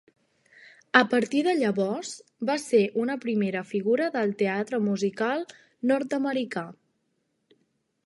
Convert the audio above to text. A partir de llavors va ser una primera figura del teatre musical nord-americà.